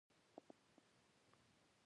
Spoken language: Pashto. سندره د ژبې ښکلا زیاتوي